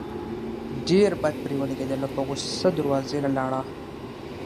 ډېر بد پرې ولګېدل او پۀ غصه دروازې له لاړه